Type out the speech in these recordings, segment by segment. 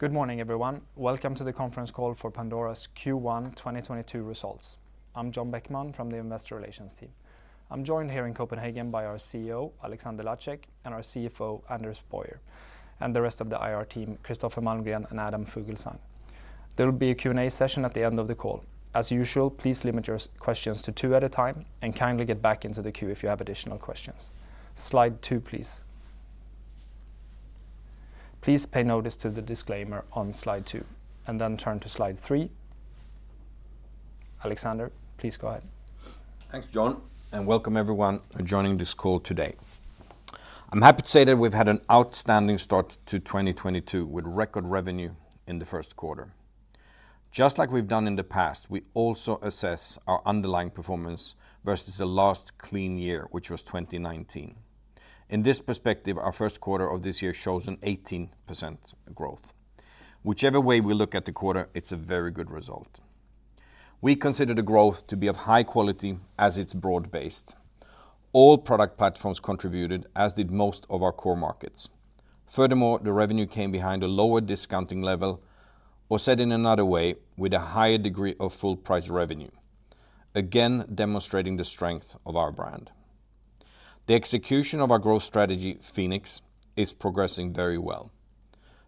Good morning, everyone. Welcome to the conference call for Pandora's Q1 2022 results. I'm John Bäckman from the investor relations team. I'm joined here in Copenhagen by our CEO, Alexander Lacik, and our CFO, Anders Boyer, and the rest of the IR team, Kristoffer Aas Malmgren and Adam Fuglsang. There will be a Q&A session at the end of the call. As usual, please limit your questions to two at a time and kindly get back into the queue if you have additional questions. Slide two, please. Please take notice of the disclaimer on slide two, and then turn to slide three. Alexander, please go ahead. Thanks, John, and welcome everyone joining this call today. I'm happy to say that we've had an outstanding start to 2022 with record revenue in the first quarter. Just like we've done in the past, we also assess our underlying performance versus the last clean year, which was 2019. In this perspective, our first quarter of this year shows an 18% growth. Whichever way we look at the quarter, it's a very good result. We consider the growth to be of high quality as it's broad-based. All product platforms contributed, as did most of our core markets. Furthermore, the revenue came behind a lower discounting level or set in another way with a higher degree of full price revenue. Again, demonstrating the strength of our brand. The execution of our growth strategy, Phoenix, is progressing very well.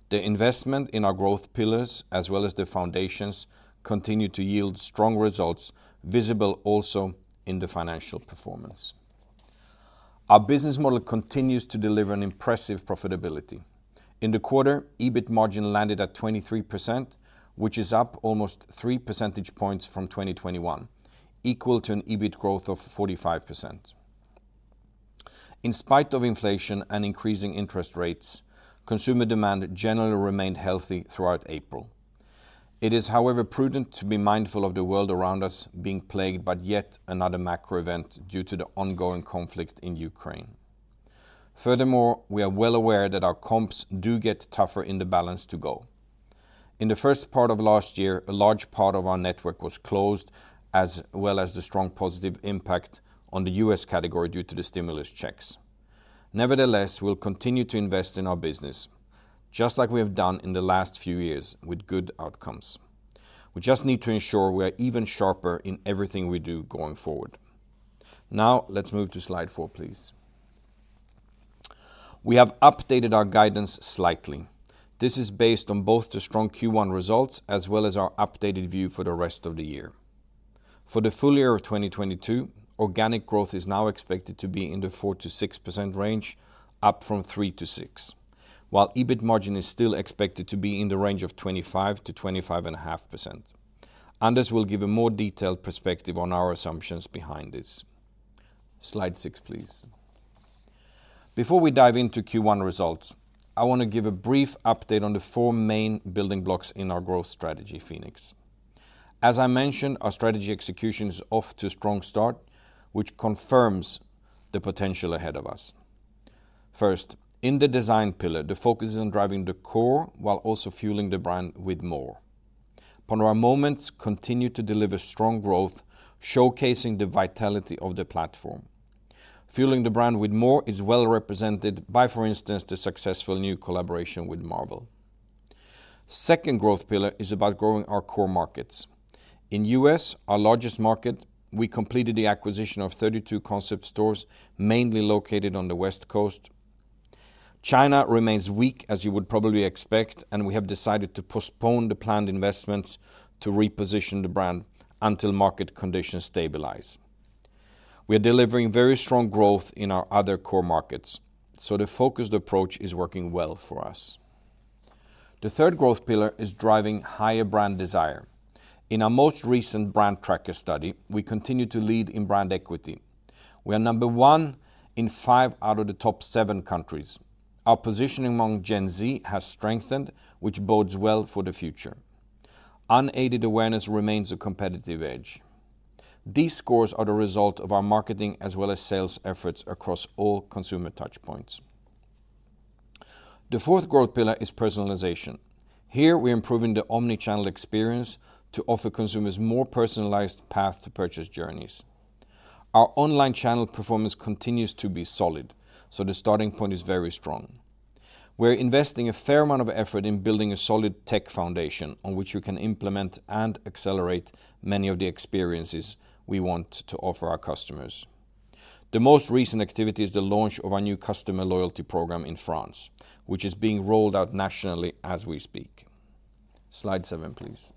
The investment in our growth pillars as well as the foundations continue to yield strong results visible also in the financial performance. Our business model continues to deliver an impressive profitability. In the quarter, EBIT margin landed at 23%, which is up almost 3 percentage points from 2021, equal to an EBIT growth of 45%. In spite of inflation and increasing interest rates, consumer demand generally remained healthy throughout April. It is, however, prudent to be mindful of the world around us being plagued by yet another macro event due to the ongoing conflict in Ukraine. Furthermore, we are well aware that our comps do get tougher in the back half to go. In the first part of last year, a large part of our network was closed, as well as the strong positive impact on the U.S. category due to the stimulus checks. Nevertheless, we'll continue to invest in our business just like we have done in the last few years with good outcomes. We just need to ensure we are even sharper in everything we do going forward. Now let's move to slide four, please. We have updated our guidance slightly. This is based on both the strong Q1 results as well as our updated view for the rest of the year. For the full year of 2022, organic growth is now expected to be in the 4%-6% range, up from 3%-6%. While EBIT margin is still expected to be in the range of 25%-25.5%. Anders will give a more detailed perspective on our assumptions behind this. Slide six, please. Before we dive into Q1 results, I want to give a brief update on the four main building blocks in our growth strategy, Phoenix. As I mentioned, our strategy execution is off to a strong start, which confirms the potential ahead of us. First, in the design pillar, the focus is on driving the core while also fueling the brand with more. Pandora Moments continue to deliver strong growth, showcasing the vitality of the platform. Fueling the brand with more is well represented by, for instance, the successful new collaboration with Marvel. Second growth pillar is about growing our core markets. In U.S., our largest market, we completed the acquisition of 32 concept stores, mainly located on the West Coast. China remains weak as you would probably expect, and we have decided to postpone the planned investments to reposition the brand until market conditions stabilize. We are delivering very strong growth in our other core markets, so the focused approach is working well for us. The third growth pillar is driving higher brand desire. In our most recent brand tracker study, we continue to lead in brand equity. We are number one in five out of the top seven countries. Our position among Gen Z has strengthened, which bodes well for the future. Unaided awareness remains a competitive edge. These scores are the result of our marketing as well as sales efforts across all consumer touch points. The fourth growth pillar is personalization. Here we're improving the omni-channel experience to offer consumers more personalized path to purchase journeys. Our online channel performance continues to be solid, so the starting point is very strong. We're investing a fair amount of effort in building a solid tech foundation on which we can implement and accelerate many of the experiences we want to offer our customers. The most recent activity is the launch of our new customer loyalty program in France, which is being rolled out nationally as we speak. Slide seven, please.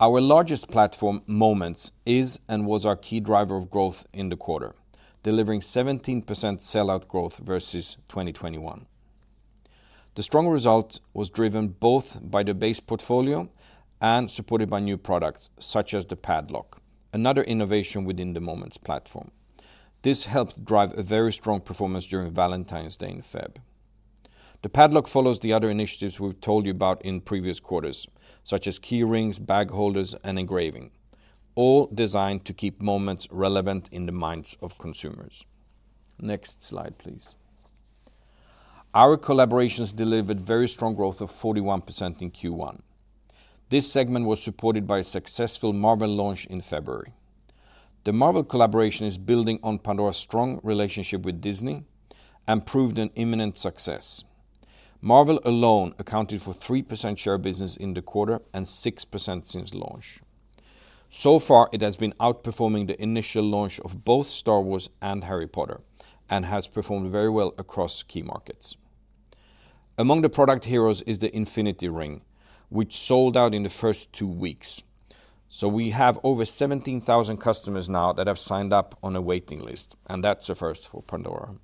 Our largest platform, Moments, is and was our key driver of growth in the quarter, delivering 17% sell-out growth versus 2021. The strong result was driven both by the base portfolio and supported by new products such as the Padlock, another innovation within the Moments platform. This helped drive a very strong performance during Valentine's Day in February. The Padlock follows the other initiatives we've told you about in previous quarters, such as key rings, bag holders, and engraving, all designed to keep Moments relevant in the minds of consumers. Next slide, please. Our collaborations delivered very strong growth of 41% in Q1. This segment was supported by a successful Marvel launch in February. The Marvel collaboration is building on Pandora's strong relationship with Disney and proved an immediate success. Marvel alone accounted for 3% share of business in the quarter and 6% since launch. Far, it has been outperforming the initial launch of both Star Wars and Harry Potter and has performed very well across key markets. Among the product heroes is the Infinity Ring, which sold out in the first two weeks. We have over 17,000 customers now that have signed up on a waiting list, and that's a first for Pandora.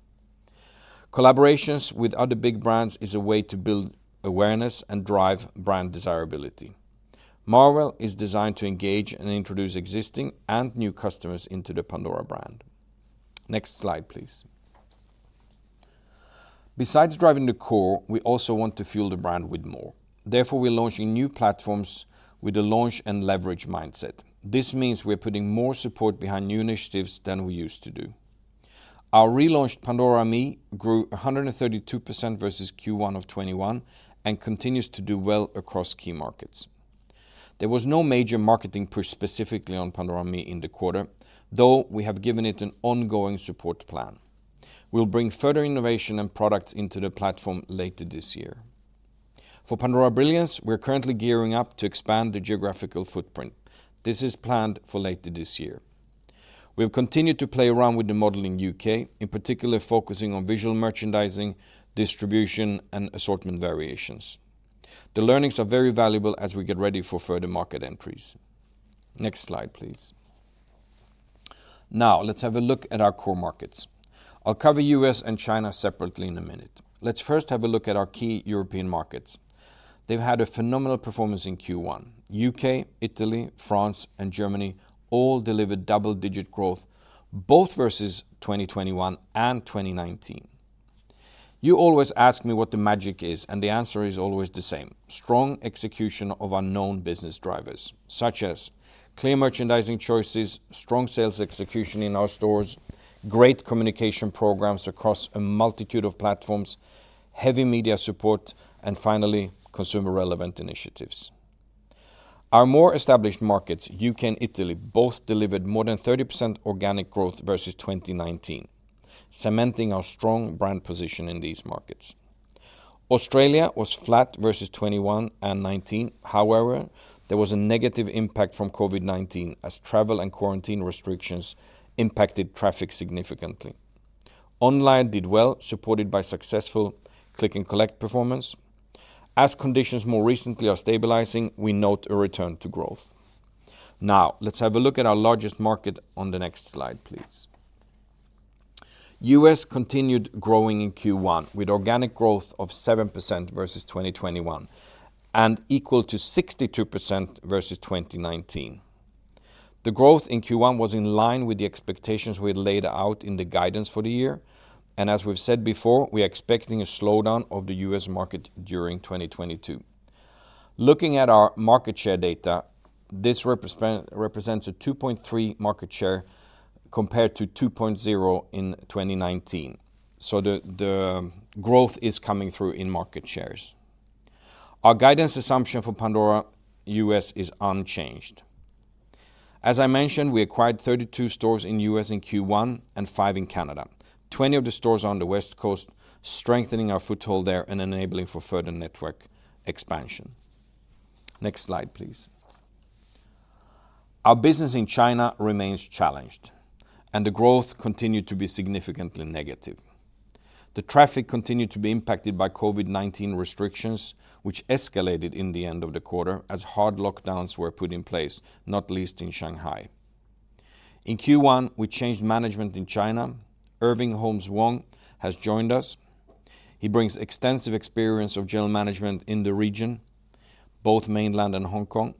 Collaborations with other big brands is a way to build awareness and drive brand desirability. Marvel is designed to engage and introduce existing and new customers into the Pandora brand. Next slide, please. Besides driving the core, we also want to fuel the brand with more. Therefore, we're launching new platforms with a launch and leverage mindset. This means we're putting more support behind new initiatives than we used to do. Our relaunched Pandora ME grew 132% versus Q1 of 2021 and continues to do well across key markets. There was no major marketing push specifically on Pandora ME in the quarter, though we have given it an ongoing support plan. We'll bring further innovation and products into the platform later this year. For Pandora Brilliance, we're currently gearing up to expand the geographical footprint. This is planned for later this year. We've continued to play around with the model in U.K., in particular focusing on visual merchandising, distribution, and assortment variations. The learnings are very valuable as we get ready for further market entries. Next slide, please. Now let's have a look at our core markets. I'll cover U.S. and China separately in a minute. Let's first have a look at our key European markets. They've had a phenomenal performance in Q1. U.K., Italy, France, and Germany all delivered double-digit growth, both versus 2021 and 2019. You always ask me what the magic is, and the answer is always the same. Strong execution of our known business drivers, such as clear merchandising choices, strong sales execution in our stores, great communication programs across a multitude of platforms, heavy media support, and finally, consumer relevant initiatives. Our more established markets, U.K. and Italy, both delivered more than 30% organic growth versus 2019, cementing our strong brand position in these markets. Australia was flat versus 2021 and 2019. However, there was a negative impact from COVID-19 as travel and quarantine restrictions impacted traffic significantly. Online did well, supported by successful click-and-collect performance. As conditions more recently are stabilizing, we note a return to growth. Now let's have a look at our largest market on the next slide, please. U.S. continued growing in Q1 with organic growth of 7% versus 2021 and equal to 62% versus 2019. The growth in Q1 was in line with the expectations we had laid out in the guidance for the year. as we've said before, we are expecting a slowdown of the U.S. market during 2022. Looking at our market share data, this represents a 2.3% market share compared to 2.0% in 2019. So the growth is coming through in market shares. Our guidance assumption for Pandora U.S. is unchanged. As I mentioned, we acquired 32 stores in U.S. in Q1 and five in Canada. 20 of the stores are on the West Coast, strengthening our foothold there and enabling for further network expansion. Next slide, please. Our business in China remains challenged, and the growth continued to be significantly negative. The traffic continued to be impacted by COVID-19 restrictions, which escalated in the end of the quarter as hard lockdowns were put in place, not least in Shanghai. In Q1, we changed management in China. Irving Holmes Wong has joined us. He brings extensive experience of general management in the region, both mainland and Hong Kong.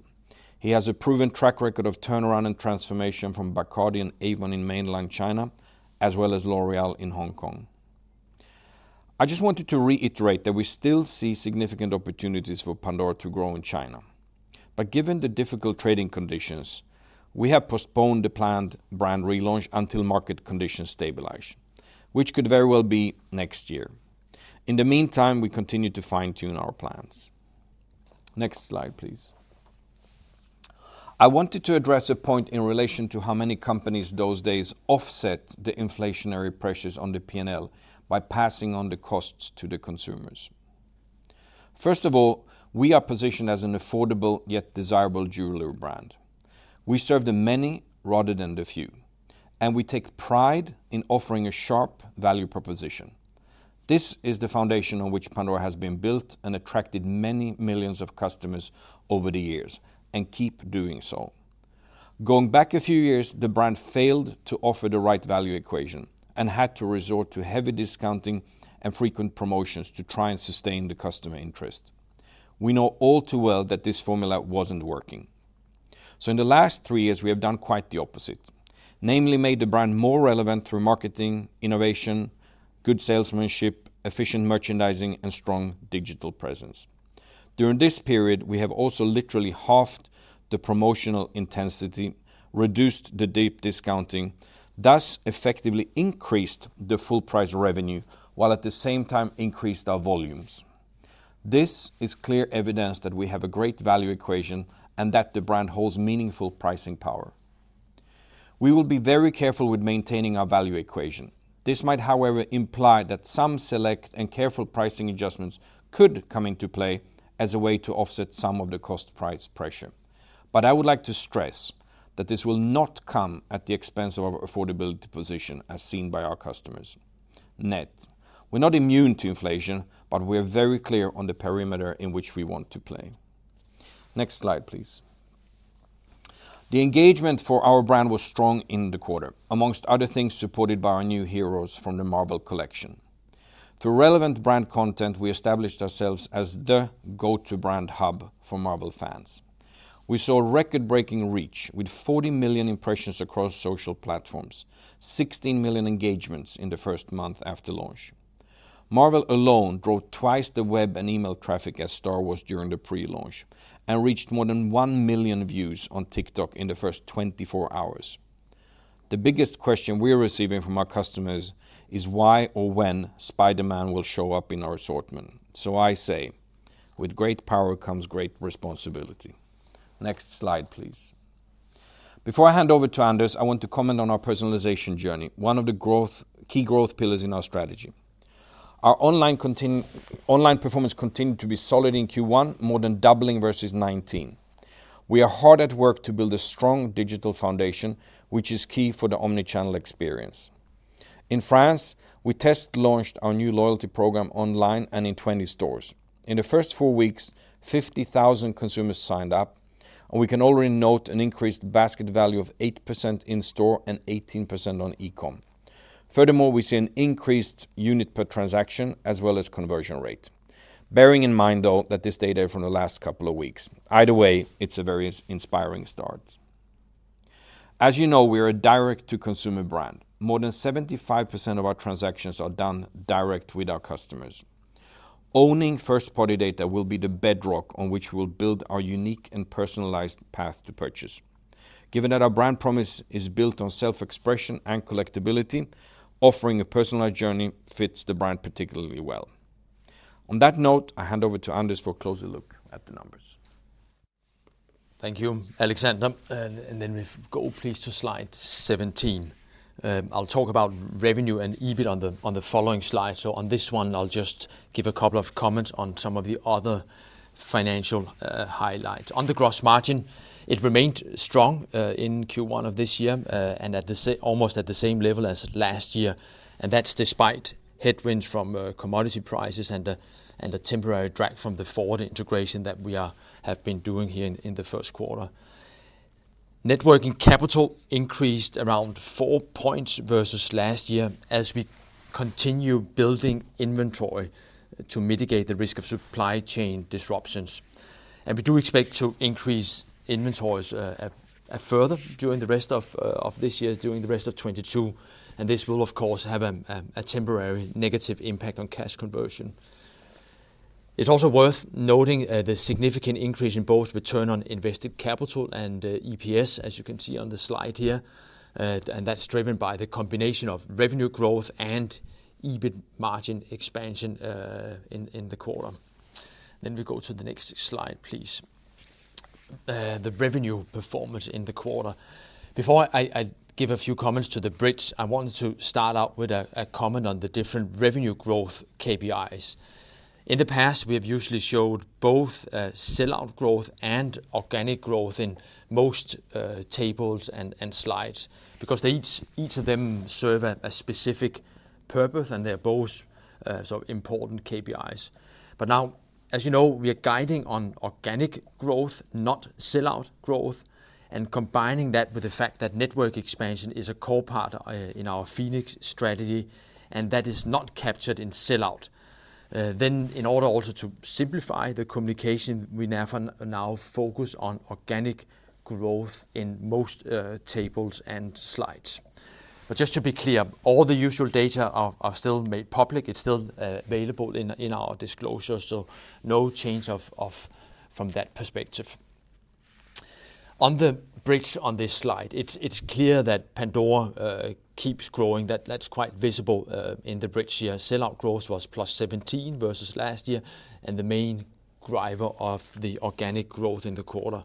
He has a proven track record of turnaround and transformation from Bacardi and Avon in mainland China, as well as L'Oréal in Hong Kong. I just wanted to reiterate that we still see significant opportunities for Pandora to grow in China. Given the difficult trading conditions, we have postponed the planned brand relaunch until market conditions stabilize, which could very well be next year. In the meantime, we continue to fine-tune our plans. Next slide, please. I wanted to address a point in relation to how many companies these days offset the inflationary pressures on the P&L by passing on the costs to the consumers. First of all, we are positioned as an affordable yet desirable jewelry brand. We serve the many rather than the few, and we take pride in offering a sharp value proposition. This is the foundation on which Pandora has been built and attracted many millions of customers over the years and keep doing so. Going back a few years, the brand failed to offer the right value equation and had to resort to heavy discounting and frequent promotions to try and sustain the customer interest. We know all too well that this formula wasn't working. In the last three years, we have done quite the opposite, namely made the brand more relevant through marketing, innovation, good salesmanship, efficient merchandising, and strong digital presence. During this period, we have also literally halved the promotional intensity, reduced the deep discounting, thus effectively increased the full price revenue, while at the same time increased our volumes. This is clear evidence that we have a great value equation and that the brand holds meaningful pricing power. We will be very careful with maintaining our value equation. This might, however, imply that some select and careful pricing adjustments could come into play as a way to offset some of the cost price pressure. I would like to stress that this will not come at the expense of our affordability position as seen by our customers. We're not immune to inflation, but we are very clear on the parameters in which we want to play. Next slide, please. The engagement for our brand was strong in the quarter, among other things, supported by our new heroes from the Marvel collection. Through relevant brand content, we established ourselves as the go-to brand hub for Marvel fans. We saw record-breaking reach with 40 million impressions across social platforms, 16 million engagements in the first month after launch. Marvel alone drove twice the web and email traffic as Star Wars during the pre-launch and reached more than 1 million views on TikTok in the first 24 hours. The biggest question we're receiving from our customers is why or when Spider-Man will show up in our assortment. So I say, with great power comes great responsibility. Next slide, please. Before I hand over to Anders, I want to comment on our personalization journey, one of the growth, key growth pillars in our strategy. Our online performance continued to be solid in Q1, more than doubling versus 2019. We are hard at work to build a strong digital foundation, which is key for the omni-channel experience. In France, we test launched our new loyalty program online and in 20 stores. In the first four weeks, 50,000 consumers signed up, and we can already note an increased basket value of 8% in store and 18% on e-com. Furthermore, we see an increased unit per transaction as well as conversion rate. Bearing in mind, though, that this data is from the last couple of weeks. Either way, it's a very inspiring start. As you know, we are a direct-to-consumer brand. More than 75% of our transactions are done direct with our customers. Owning First-party data will be the bedrock on which we'll build our unique and personalized path to purchase. Given that our brand promise is built on self-expression and collectibility, offering a personalized journey fits the brand particularly well. On that note, I hand over to Anders for a closer look at the numbers. Thank you, Alexander. We go please to slide 17. I'll talk about revenue and EBIT on the following slide. On this one, I'll just give a couple of comments on some of the other financial highlights. On the gross margin, it remained strong in Q1 of this year and almost at the same level as last year. That's despite headwinds from commodity prices and a temporary drag from the forward integration that we have been doing here in the first quarter. Net working capital increased around 4 points versus last year as we continue building inventory to mitigate the risk of supply chain disruptions. We do expect to increase inventories further during the rest of this year, during the rest of 2022. This will, of course, have a temporary negative impact on cash conversion. It's also worth noting the significant increase in both return on invested capital and EPS, as you can see on the slide here. That's driven by the combination of revenue growth and EBIT margin expansion in the quarter. We go to the next slide, please. The revenue performance in the quarter. Before I give a few comments to the bridge, I want to start out with a comment on the different revenue growth KPIs. In the past, we have usually showed both sell-out growth and organic growth in most tables and slides because they each serve a specific purpose, and they're both sort of important KPIs. Now, as you know, we are guiding on organic growth, not sell-out growth, and combining that with the fact that network expansion is a core part in our Phoenix strategy, and that is not captured in sell-out. Then in order also to simplify the communication, we now focus on organic growth in most tables and slides. Just to be clear, all the usual data are still made public. It's still available in our disclosures, so no change of from that perspective. On the bridge on this slide, it's clear that Pandora keeps growing. That's quite visible in the bridge here. Sell-out growth was +17% versus last year, and the main driver of the organic growth in the quarter.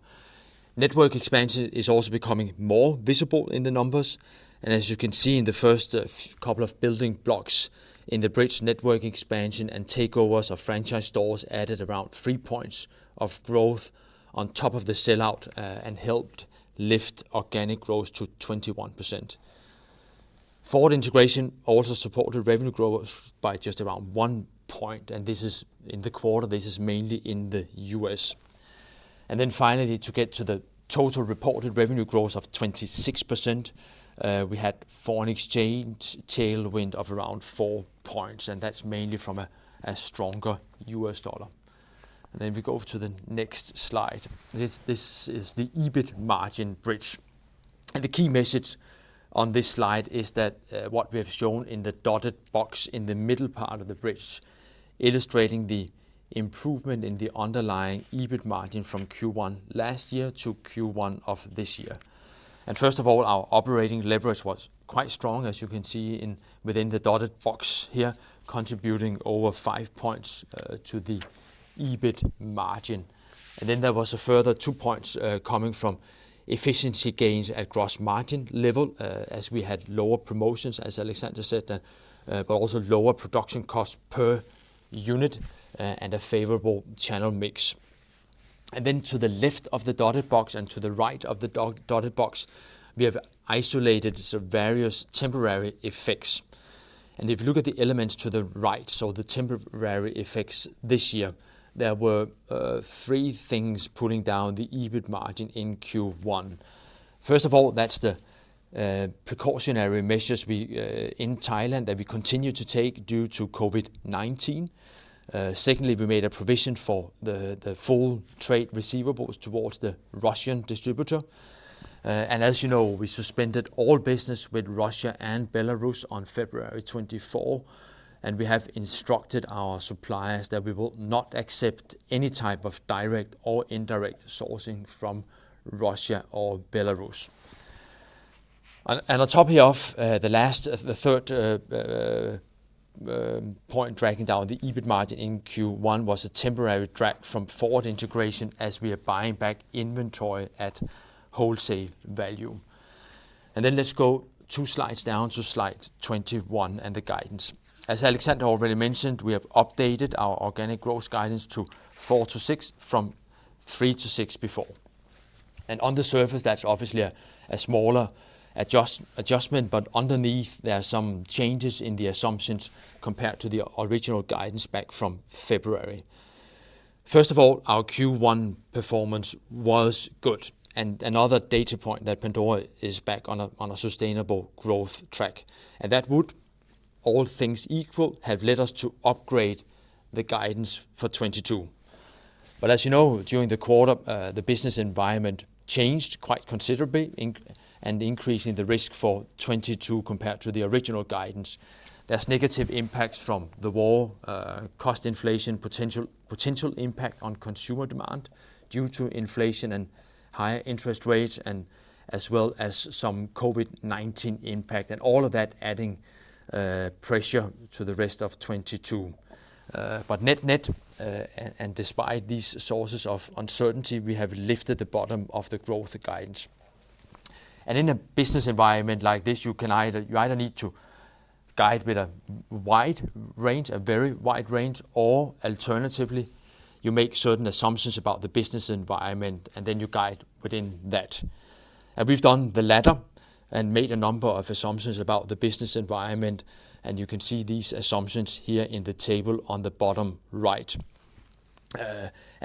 Network expansion is also becoming more visible in the numbers. As you can see in the first couple of building blocks in the bridge, network expansion and takeovers of franchise stores added around 3 points of growth on top of the sell-out and helped lift organic growth to 21%. Forward integration also supported revenue growth by just around 1 point, and this is in the quarter. This is mainly in the U.S. Then finally, to get to the total reported revenue growth of 26%, we had foreign exchange tailwind of around 4 points, and that's mainly from a stronger U.S. dollar. Then we go to the next slide. This is the EBIT margin bridge. The key message on this slide is that what we have shown in the dotted box in the middle part of the bridge, illustrating the improvement in the underlying EBIT margin from Q1 last year to Q1 of this year. First of all, our operating leverage was quite strong, as you can see within the dotted box here, contributing over 5 points to the EBIT margin. Then there was a further 2 points coming from efficiency gains at gross margin level, as we had lower promotions, as Alexander said, but also lower production costs per unit, and a favorable channel mix. Then to the left of the dotted box and to the right of the dotted box, we have isolated some various temporary effects. If you look at the elements to the right, so the temporary effects this year, there were three things pulling down the EBIT margin in Q1. First of all, that's the precautionary measures we in Thailand that we continue to take due to COVID-19. Secondly, we made a provision for the full trade receivables towards the Russian distributor. And as you know, we suspended all business with Russia and Belarus on February 24, and we have instructed our suppliers that we will not accept any type of direct or indirect sourcing from Russia or Belarus. On top of that, the third point dragging down the EBIT margin in Q1 was a temporary drag from forward integration as we are buying back inventory at wholesale value. Let's go two slides down to slide 21 and the guidance. As Alexander already mentioned, we have updated our organic growth guidance to 4%-6% from 3%-6% before. On the surface, that's obviously a smaller adjustment, but underneath there are some changes in the assumptions compared to the original guidance back from February. First of all, our Q1 performance was good, and another data point that Pandora is back on a sustainable growth track. That would, all things equal, have led us to upgrade the guidance for 2022. As you know, during the quarter, the business environment changed quite considerably and increasing the risk for 2022 compared to the original guidance. There's negative impacts from the war, cost inflation, potential impact on consumer demand due to inflation and higher interest rates and as well as some COVID-19 impact, and all of that adding pressure to the rest of 2022. Net-net, despite these sources of uncertainty, we have lifted the bottom of the growth guidance. In a business environment like this, you either need to guide with a wide range, a very wide range, or alternatively, you make certain assumptions about the business environment, and then you guide within that. We've done the latter and made a number of assumptions about the business environment, and you can see these assumptions here in the table on the bottom right.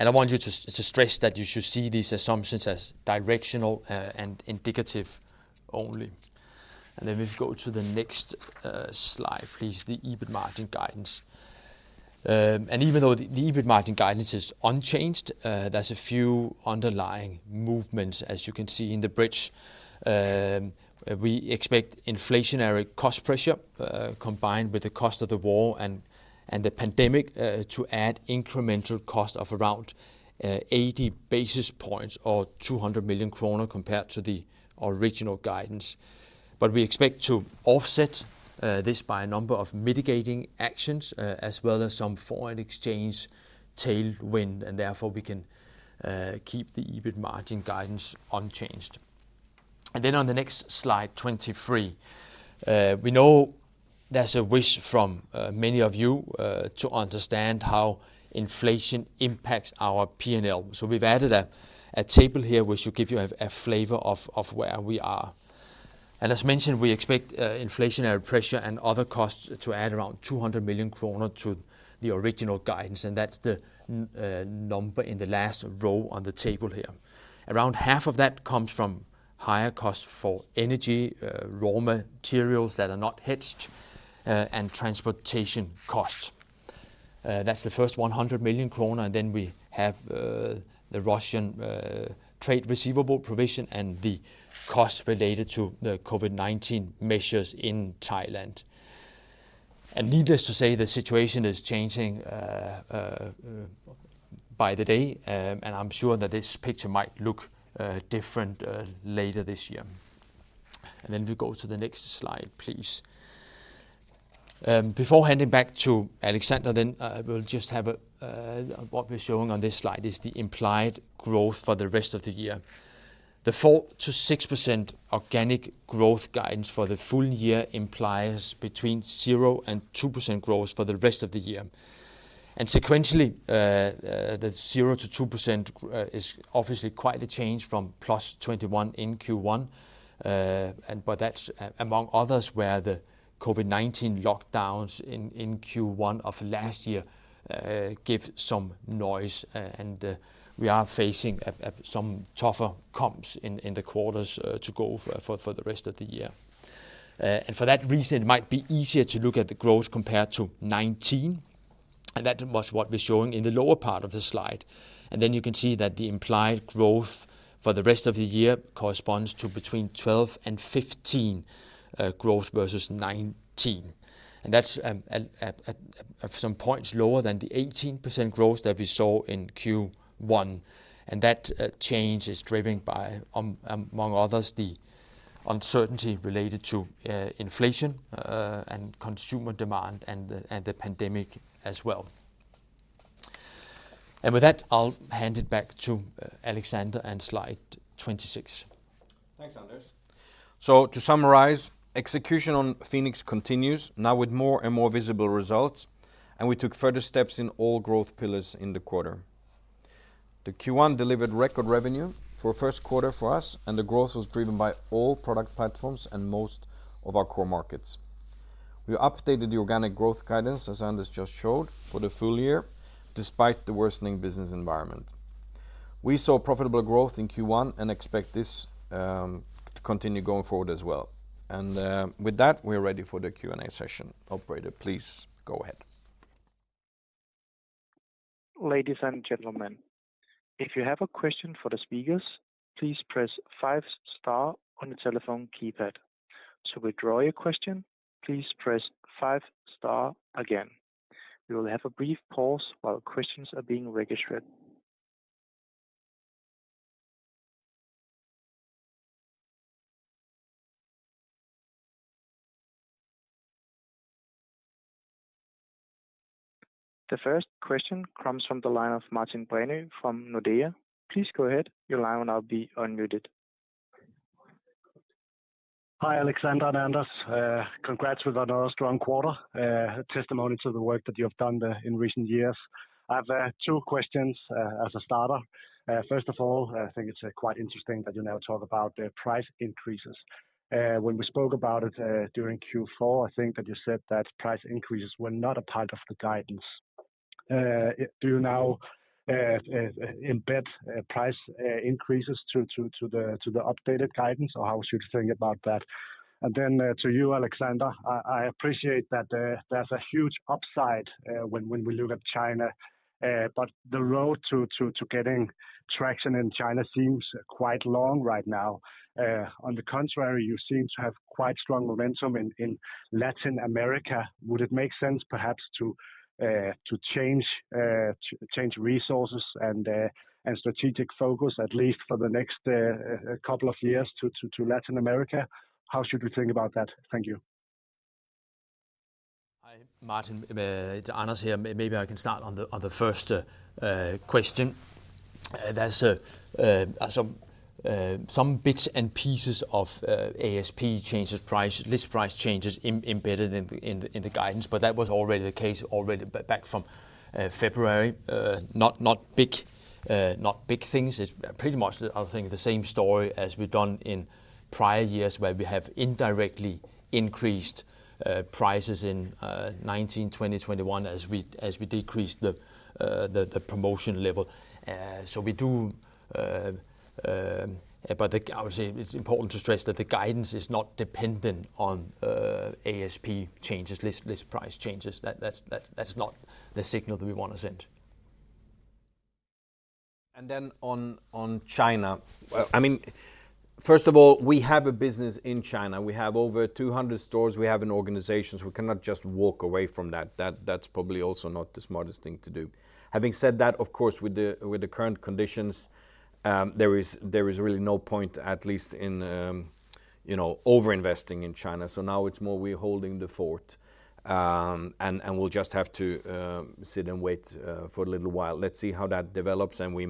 I want you to stress that you should see these assumptions as directional, and indicative only. If you go to the next slide, please, the EBIT margin guidance. Even though the EBIT margin guidance is unchanged, there's a few underlying movements, as you can see in the bridge. We expect inflationary cost pressure, combined with the cost of the war and the pandemic, to add incremental cost of around 80 basis points or 200 million kroner compared to the original guidance. We expect to offset this by a number of mitigating actions as well as some foreign exchange tailwind, and therefore we can keep the EBIT margin guidance unchanged. On the next slide, 23, we know there's a wish from many of you to understand how inflation impacts our P&L. We've added a table here which should give you a flavor of where we are. As mentioned, we expect inflationary pressure and other costs to add around 200 million kroner to the original guidance, and that's the number in the last row on the table here. Around half of that comes from higher costs for energy, raw materials that are not hedged, and transportation costs. That's the first 100 million kroner, and then we have the Russian trade receivable provision and the costs related to the COVID-19 measures in Thailand. Needless to say, the situation is changing by the day, and I'm sure that this picture might look different later this year. Then we go to the next slide, please. Before handing back to Alexander then, we'll just have what we're showing on this slide is the implied growth for the rest of the year. The 4%-6% organic growth guidance for the full year implies between 0% and 2% growth for the rest of the year. Sequentially, the 0%-2% is obviously quite a change from +21% in Q1. But that's among others where the COVID-19 lockdowns in Q1 of last year give some noise and we are facing some tougher comps in the quarters to go for the rest of the year. For that reason, it might be easier to look at the growth compared to 2019. That was what we're showing in the lower part of the slide. Then you can see that the implied growth for the rest of the year corresponds to between 12% and 15% growth versus 19%. That's at some points lower than the 18% growth that we saw in Q1. That change is driven by among others, the uncertainty related to inflation and consumer demand and the pandemic as well. With that, I'll hand it back to Alexander and slide 26. Thanks, Anders. To summarize, execution on Phoenix continues now with more and more visible results, and we took further steps in all growth pillars in the quarter. The Q1 delivered record revenue for a first quarter for us, and the growth was driven by all product platforms and most of our core markets. We updated the organic growth guidance, as Anders just showed, for the full year, despite the worsening business environment. We saw profitable growth in Q1 and expect this to continue going forward as well. With that, we're ready for the Q&A session. Operator, please go ahead. Ladies and gentlemen, if you have a question for the speakers, please press five star on the telephone keypad. To withdraw your question, please press five star again. We will have a brief pause while questions are being registered. The first question comes from the line of Martin Brenøe from Nordea. Please go ahead. Your line will now be unmuted. Hi, Alexander and Anders. Congrats with another strong quarter. A testimony to the work that you have done there in recent years. I have two questions as a starter. First of all, I think it's quite interesting that you now talk about the price increases. When we spoke about it during Q4, I think that you said that price increases were not a part of the guidance. Do you now embed price increases to the updated guidance? Or how should you think about that? To you, Alexander, I appreciate that there's a huge upside when we look at China. But the road to getting traction in China seems quite long right now. On the contrary, you seem to have quite strong momentum in Latin America. Would it make sense perhaps to change resources and strategic focus, at least for the next couple of years to Latin America? How should we think about that? Thank you. Hi, Martin. It's Anders here. Maybe I can start on the first question. There's some bits and pieces of ASP changes, price list price changes embedded in the guidance, but that was already the case back from February. Not big things. It's pretty much the same story as we've done in prior years, where we have indirectly increased prices in 2019, 2020, 2021 as we decrease the promotion level. I would say it's important to stress that the guidance is not dependent on ASP changes, list price changes. That's not the signal that we want to send. Then on China. I mean, first of all, we have a business in China. We have over 200 stores. We have an organization, so we cannot just walk away from that. That's probably also not the smartest thing to do. Having said that, of course, with the current conditions, there is really no point, at least in, you know, overinvesting in China. So now it's more we're holding the fort, and we'll just have to sit and wait for a little while. Let's see how that develops and we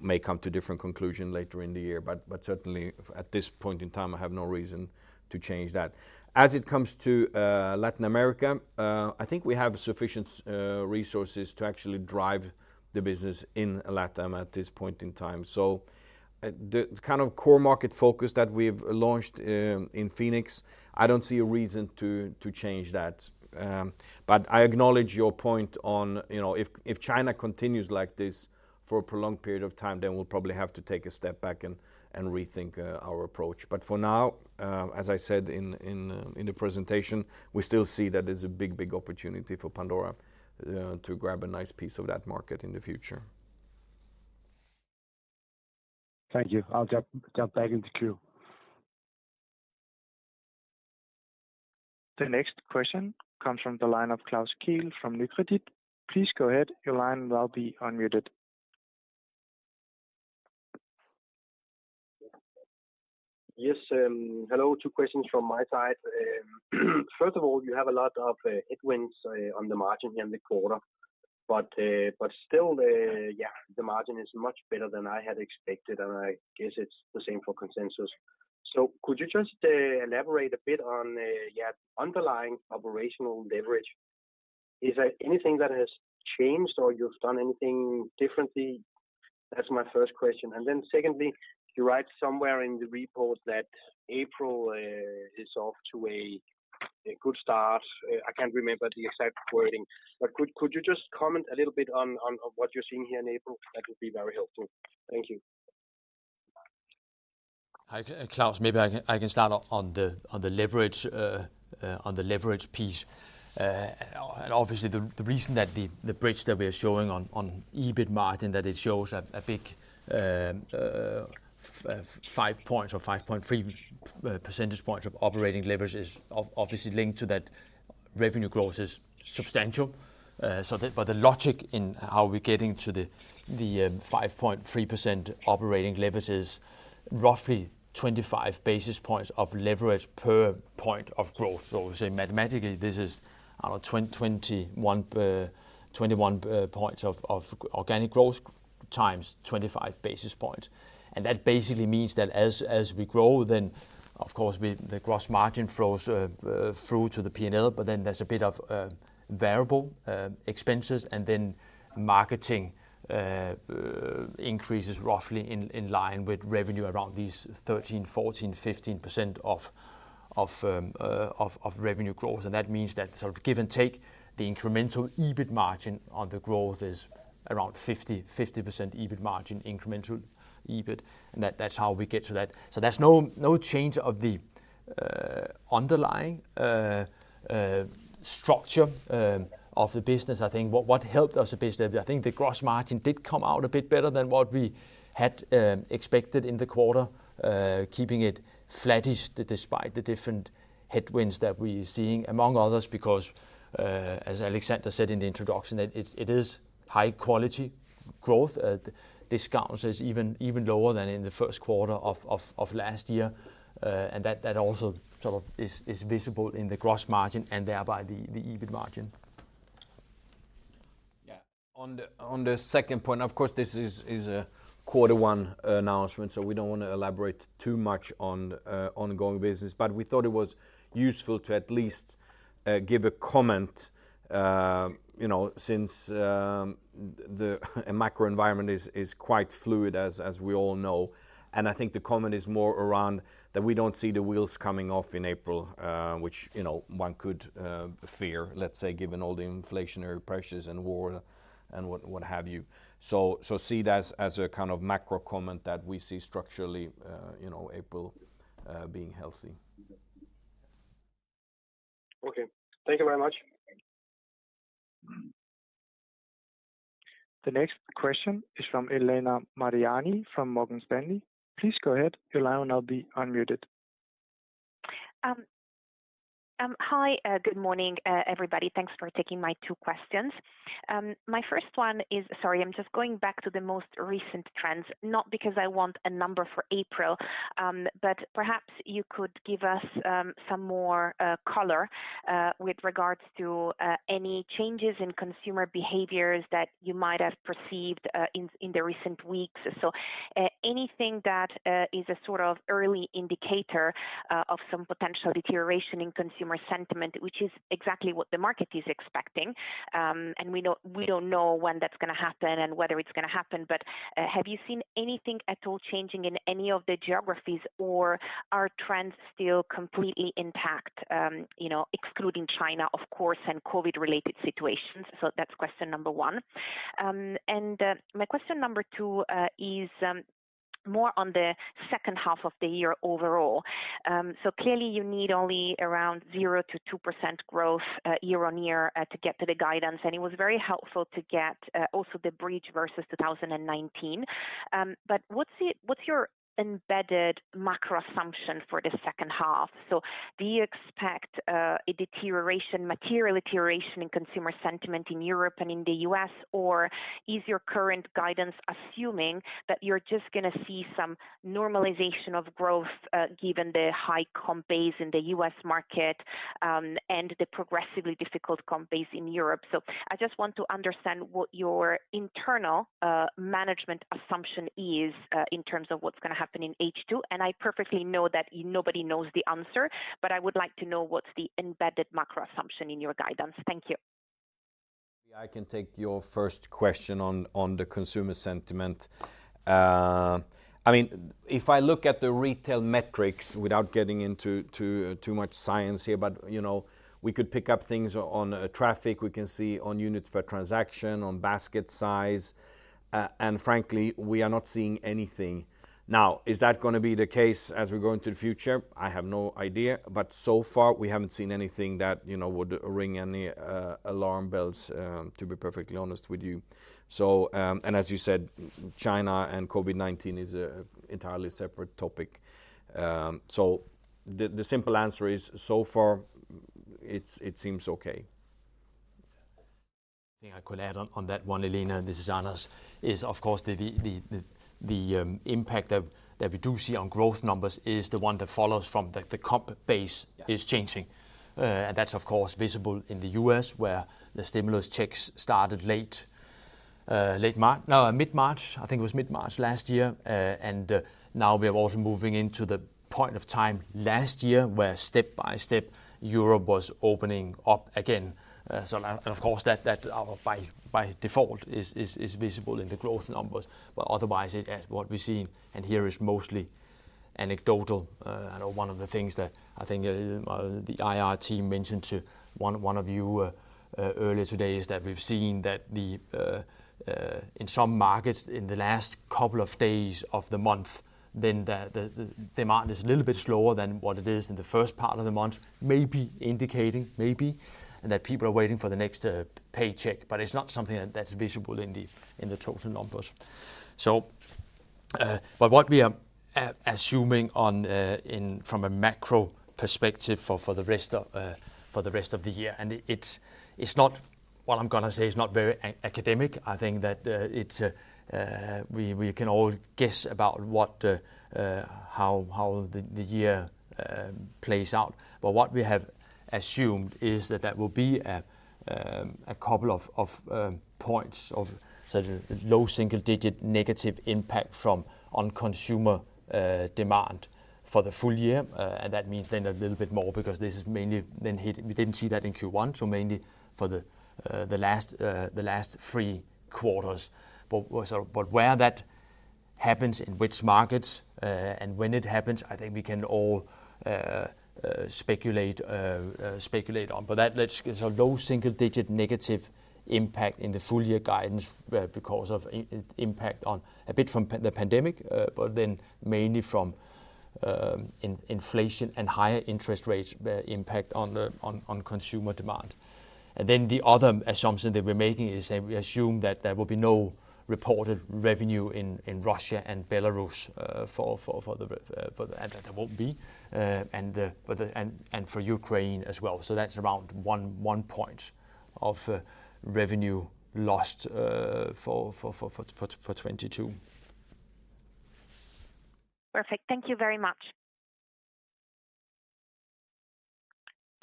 may come to different conclusion later in the year. Certainly at this point in time, I have no reason to change that. As it comes to Latin America, I think we have sufficient resources to actually drive the business in LATAM at this point in time. The kind of core market focus that we've launched in Phoenix. I don't see a reason to change that. I acknowledge your point on, you know, if China continues like this for a prolonged period of time, then we'll probably have to take a step back and rethink our approach. For now, as I said in the presentation, we still see that there's a big opportunity for Pandora to grab a nice piece of that market in the future. Thank you. I'll jump back in the queue. The next question comes from the line of Klaus Kehl from Nykredit. Please go ahead. Your line will now be unmuted. Yes. Hello. Two questions from my side. First of all, you have a lot of headwinds on the margin here in the quarter, but still, yeah, the margin is much better than I had expected, and I guess it's the same for consensus. Could you just elaborate a bit on yeah, underlying operational leverage? Is there anything that has changed or you've done anything differently? That's my first question. Secondly, you write somewhere in the report that April is off to a good start. I can't remember the exact wording, but could you just comment a little bit on what you're seeing here in April? That would be very helpful. Thank you. Hi, Klaus, maybe I can start off on the leverage piece. Obviously the reason that the bridge that we're showing on EBIT margin shows a big 5 points or 5.3 percentage points of operating leverage is obviously linked to that revenue growth is substantial. The logic in how we're getting to the 5.3% operating leverage is roughly 25 basis points of leverage per point of growth. Say mathematically, this is, I don't know, 21 points of organic growth times 25 basis points. That basically means that as we grow, then of course we the gross margin flows through to the P&L, but then there's a bit of variable expenses. Marketing increases roughly in line with revenue around these 13%, 14%, 15% of revenue growth. That means that sort of give and take the incremental EBIT margin on the growth is around 50% EBIT margin, incremental EBIT. That's how we get to that. There's no change of the underlying structure of the business. I think what helped us a bit, I think the gross margin did come out a bit better than what we had expected in the quarter, keeping it flattish despite the different headwinds that we're seeing, among others, because as Alexander said in the introduction, it is high quality growth. The discount is even lower than in the first quarter of last year. That also sort of is visible in the gross margin and thereby the EBIT margin. Yeah. On the second point, of course, this is a quarter one announcement, so we don't wanna elaborate too much on ongoing business. We thought it was useful to at least give a comment, you know, since the macro environment is quite fluid, as we all know. I think the comment is more around that we don't see the wheels coming off in April, which, you know, one could fear, let's say, given all the inflationary pressures and war and what have you. See that as a kind of macro comment that we see structurally, you know, April being healthy. Okay. Thank you very much. The next question is from Elena Mariani from Morgan Stanley. Please go ahead, Elena, and I'll be unmuted. Hi. Good morning, everybody. Thanks for taking my two questions. Sorry, I'm just going back to the most recent trends, not because I want a number for April, but perhaps you could give us some more color with regards to any changes in consumer behaviors that you might have perceived in the recent weeks. Anything that is a sort of early indicator of some potential deterioration in consumer sentiment, which is exactly what the market is expecting. We don't know when that's gonna happen and whether it's gonna happen. Have you seen anything at all changing in any of the geographies, or are trends still completely intact? You know, excluding China, of course, and COVID-related situations. That's question number one. My question number two is more on the second half of the year overall. Clearly you need only around 0%-2% growth year-on-year to get to the guidance. It was very helpful to get also the bridge versus 2019. What's your embedded macro assumption for the second half? Do you expect material deterioration in consumer sentiment in Europe and in the U.S.? Or is your current guidance assuming that you're just gonna see some normalization of growth given the high comp base in the U.S. market and the progressively difficult comp base in Europe? I just want to understand what your internal management assumption is in terms of what's gonna happen in H2. I perfectly know that nobody knows the answer, but I would like to know what's the embedded macro assumption in your guidance. Thank you. I can take your first question on the consumer sentiment. I mean, if I look at the retail metrics without getting into too much science here, but you know, we could pick up things on traffic, we can see on units per transaction, on basket size, and frankly, we are not seeing anything. Now, is that gonna be the case as we go into the future? I have no idea. So far, we haven't seen anything that you know would ring any alarm bells, to be perfectly honest with you. As you said, China and COVID-19 is an entirely separate topic. The simple answer is, so far it seems okay. The only thing I could add on that one, Elena, this is Anders, is of course the impact that we do see on growth numbers is the one that follows from the comp base is changing. And that's of course visible in the U.S. where the stimulus checks started mid-March, I think it was mid-March last year. And now we're also moving into the point of time last year where step by step Europe was opening up again. Of course that by default is visible in the growth numbers, but otherwise what we're seeing in here is mostly anecdotal. I know one of the things that I think the IR team mentioned to one of you earlier today is that we've seen that in some markets in the last couple of days of the month the demand is a little bit slower than what it is in the first part of the month, maybe indicating that people are waiting for the next paycheck. It's not something that's visible in the total numbers. What we are assuming from a macro perspective for the rest of the year, and it's not what I'm gonna say is not very academic. I think that we can all guess about how the year plays out. What we have assumed is that will be a couple of points of sort of low single digit negative impact on consumer demand for the full year. That means a little bit more because this is mainly then hit. We didn't see that in Q1, so mainly for the last three quarters. Where that happens, in which markets, and when it happens, I think we can all speculate on. Low single-digit negative impact in the full year guidance, because of impact a bit from the pandemic, but then mainly from inflation and higher interest rates, impact on the consumer demand. The other assumption that we're making is that we assume that there will be no reported revenue in Russia and Belarus, for the, and that there won't be for Ukraine as well. That's around 1 point of revenue lost for 2022. Perfect. Thank you very much.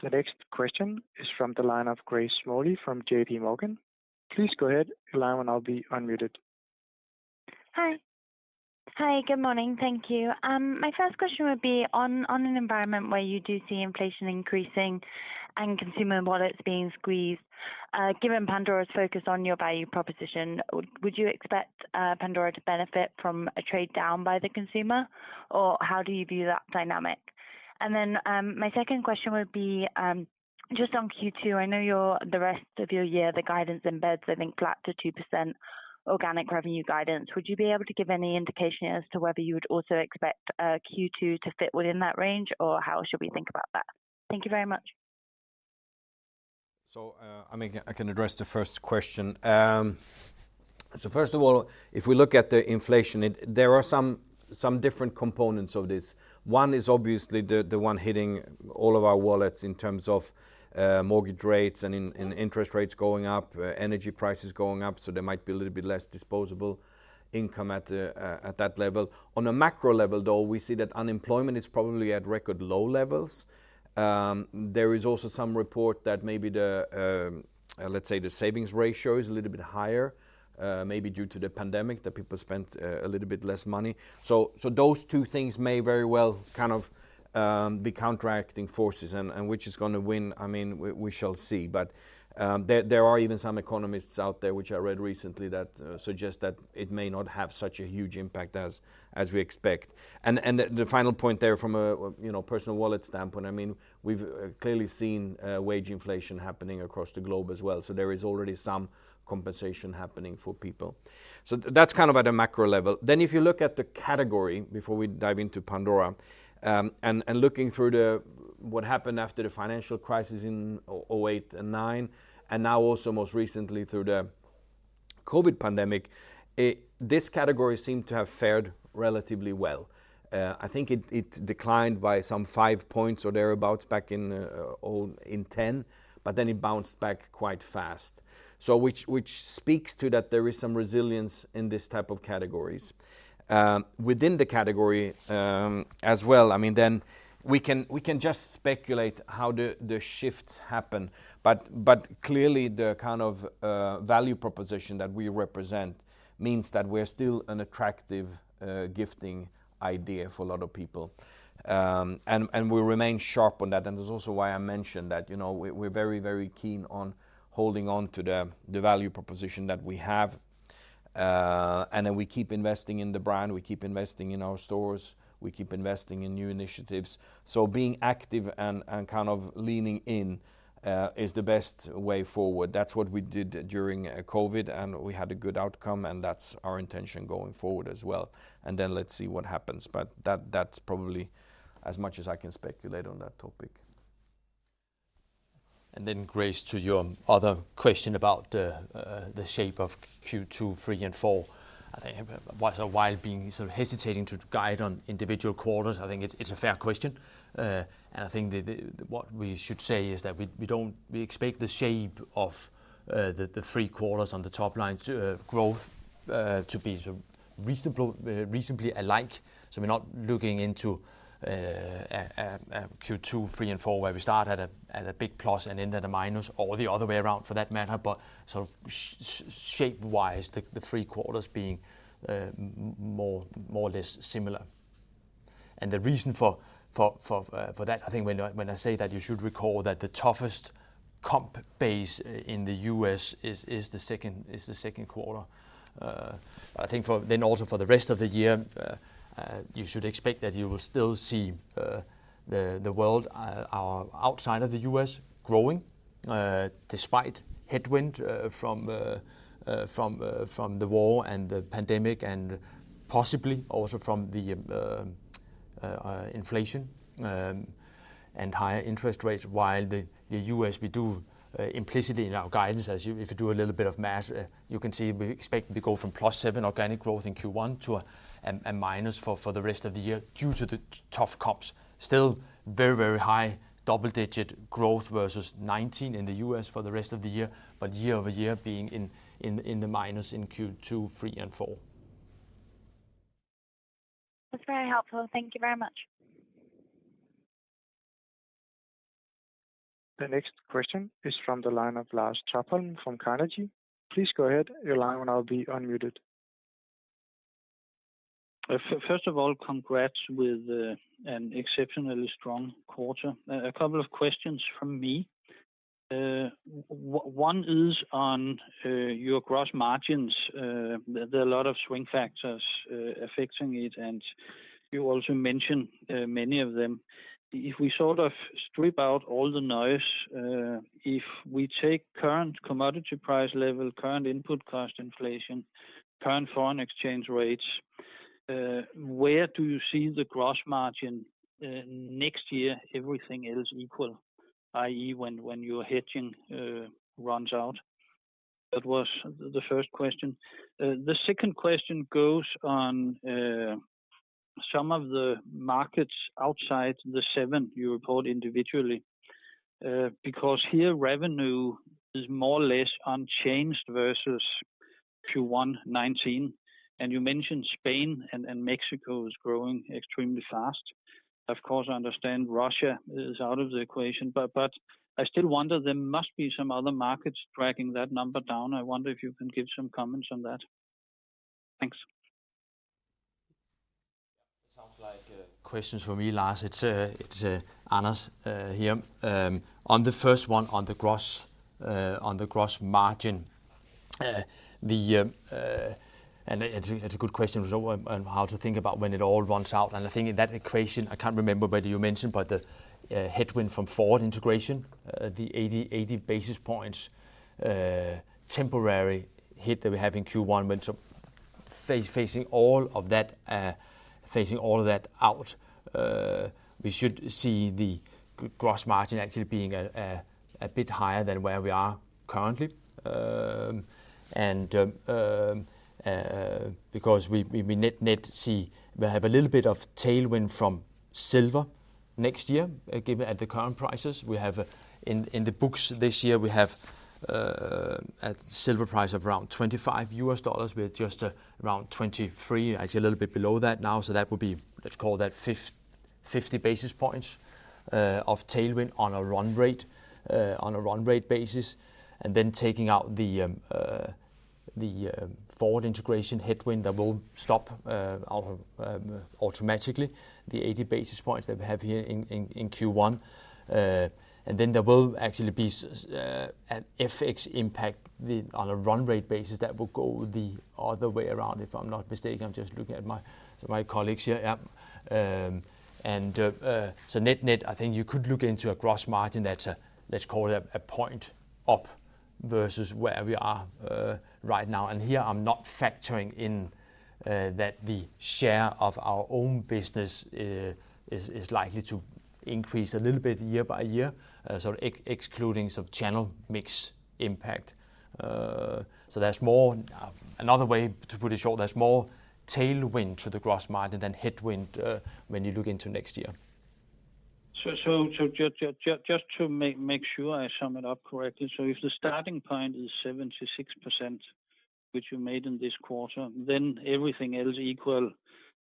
The next question is from the line of Grace Smalley from JPMorgan. Please go ahead. Your line will now be unmuted. Hi. Hi. Good morning. Thank you. My first question would be on an environment where you do see inflation increasing and consumer wallets being squeezed, given Pandora's focus on your value proposition, would you expect Pandora to benefit from a trade down by the consumer, or how do you view that dynamic? My second question would be just on Q2, I know the rest of your year, the guidance embeds, I think flat to 2% organic revenue guidance. Would you be able to give any indication as to whether you would also expect Q2 to fit within that range, or how should we think about that? Thank you very much. I mean, I can address the first question. First of all, if we look at the inflation, there are some different components of this. One is obviously the one hitting all of our wallets in terms of mortgage rates and interest rates going up, energy prices going up, so there might be a little bit less disposable income at that level. On a macro level, though, we see that unemployment is probably at record low levels. There is also some report that maybe let's say the savings ratio is a little bit higher, maybe due to the pandemic that people spent a little bit less money. Those two things may very well kind of be counteracting forces and which is gonna win, I mean, we shall see. There are even some economists out there which I read recently that suggest that it may not have such a huge impact as we expect. The final point there from a you know, personal wallet standpoint, I mean, we've clearly seen wage inflation happening across the globe as well, so there is already some compensation happening for people. That's kind of at a macro level. If you look at the category before we dive into Pandora, and looking through what happened after the financial crisis in 2008 and 2009, and now also most recently through the COVID pandemic, it. This category seemed to have fared relatively well. I think it declined by some 5 points or thereabouts back in 2010, but then it bounced back quite fast. Which speaks to that there is some resilience in this type of categories. Within the category, as well, I mean, then we can just speculate how the shifts happen, but clearly the kind of value proposition that we represent means that we're still an attractive gifting idea for a lot of people. We remain sharp on that. That's also why I mentioned that, you know, we're very keen on holding on to the value proposition that we have. Then we keep investing in the brand, we keep investing in our stores, we keep investing in new initiatives. Being active and kind of leaning in is the best way forward. That's what we did during COVID, and we had a good outcome, and that's our intention going forward as well. Then let's see what happens. That's probably as much as I can speculate on that topic. Grace, to your other question about the shape of Q2, three, and four. I think while being sort of hesitating to guide on individual quarters, I think it's a fair question. What we should say is that we expect the shape of the three quarters on the top line growth to be sort of reasonable, reasonably alike. We're not looking into Q2, three, and four, where we start at a big plus and end at a minus or the other way around for that matter, but sort of shape-wise, the three quarters being more or less similar. The reason for that, I think when I say that you should recall that the toughest comp base in the U.S. is the second quarter. Also for the rest of the year, you should expect that you will still see the world outside of the U.S. growing, despite headwind from the war and the pandemic, and possibly also from the inflation and higher interest rates. While the U.S., we do implicitly in our guidance as you. If you do a little bit of math, you can see we expect to go from +7% organic growth in Q1 to a minus for the rest of the year due to the tough comps. Still very high double-digit growth versus 2019 in the U.S. for the rest of the year. Year-over-year being in the minus in Q2, three, and four. That's very helpful. Thank you very much. The next question is from the line of Lars Topholm from Carnegie. Please go ahead, your line will now be unmuted. First of all, congrats with an exceptionally strong quarter. A couple of questions from me. One is on your gross margins. There are a lot of swing factors affecting it, and you also mentioned many of them. If we sort of strip out all the noise, if we take current commodity price level, current input cost inflation, current foreign exchange rates, where do you see the gross margin next year, everything else equal, i.e., when your hedging runs out? That was the first question. The second question goes on some of the markets outside the 7% you report individually. Because here revenue is more or less unchanged versus Q1 2019, and you mentioned Spain and Mexico is growing extremely fast. Of course, I understand Russia is out of the equation, but I still wonder there must be some other markets dragging that number down. I wonder if you can give some comments on that. Thanks. Yeah. It sounds like questions for me, Lars. It's Anders here. On the first one, on the gross margin. It's a good question. On how to think about when it all runs out. I think in that equation, I can't remember whether you mentioned, but the headwind from forward integration, the 80 basis points temporary hit that we have in Q1 when facing all of that out, we should see the gross margin actually being a bit higher than where we are currently. Because we net see a little bit of tailwind from silver next year, given the current prices. We have in the books this year, we have a silver price of around $25. We are just around $23. It's a little bit below that now. That would be, let's call that 50 basis points of tailwind on a run rate basis. Then taking out the forward integration headwind that will stop automatically the 80 basis points that we have here in Q1. Then there will actually be an FX impact on a run rate basis that will go the other way around, if I'm not mistaken. I'm just looking at my colleagues here. Yep. Net-net, I think you could look into a gross margin that's, let's call it a point up versus where we are right now. Here I'm not factoring in that the share of our own business is likely to increase a little bit year by year. Excluding some channel mix impact. Another way to put it, in short, there's more tailwind to the gross margin than headwind when you look into next year. Just to make sure I sum it up correctly. If the starting point is 76%, which you made in this quarter, then everything else equal,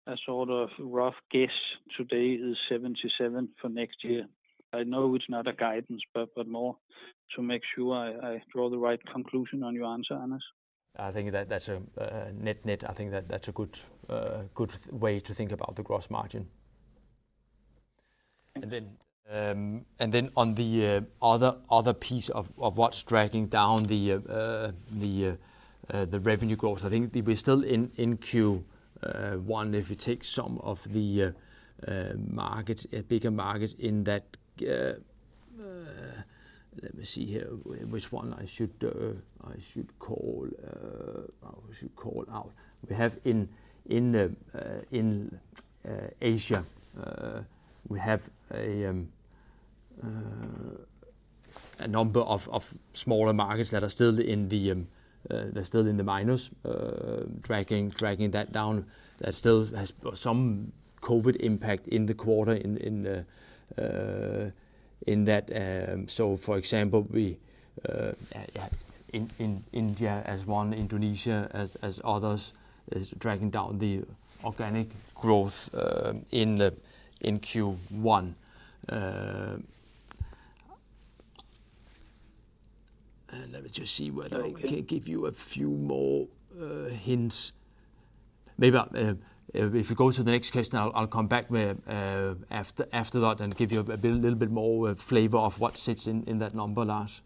a sort of rough guess today is 77% for next year. I know it's not a guidance, but more to make sure I draw the right conclusion on your answer, Anders. I think that's a net net. I think that's a good way to think about the gross margin. On the other piece of what's dragging down the revenue growth. I think we're still in Q1, if you take some of the bigger markets in that. Let me see here which one I should call out. We have in Asia we have a number of smaller markets that are still in the minus dragging that down. That still has some COVID impact in the quarter in that. For example, we in India as one, Indonesia as others is dragging down the organic growth in Q1. Let me just see whether I can give you a few more hints. Maybe I'll if you go to the next question, I'll come back after that and give you a bit little bit more flavor of what sits in that number, Lars.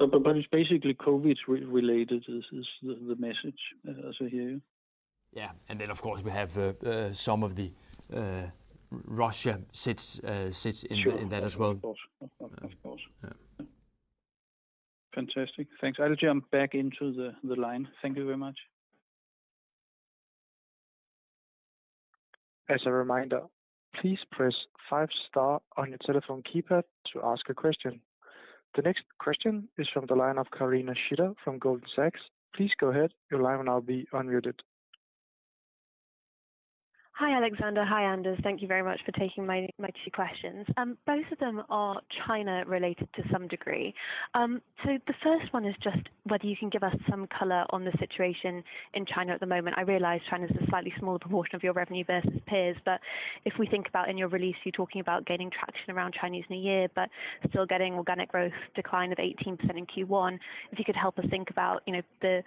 It's basically COVID-related is the message, as I hear you? Of course, we have some of the Russian assets in that as well. Sure. Of course. Yeah. Fantastic. Thanks. I'll jump back into the line. Thank you very much. As a reminder, please press five star on your telephone keypad to ask a question. The next question is from the line of Carina Shida from Goldman Sachs. Please go ahead, your line will now be unmuted. Hi, Alexander. Hi, Anders. Thank you very much for taking my two questions. Both of them are China related to some degree. So the first one is just whether you can give us some color on the situation in China at the moment. I realize China's a slightly small proportion of your revenue versus peers, but if we think about in your release, you're talking about gaining traction around Chinese New Year, but still getting organic growth decline of 18% in Q1. If you could help us think about, you know,